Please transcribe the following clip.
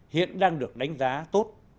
hiện đang được đánh giá tốt